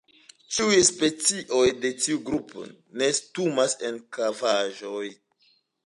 Ĉiuj specioj de tiu grupo nestumas en kavaĵoj.